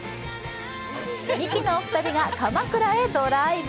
ミキのお二人が鎌倉へドライブ。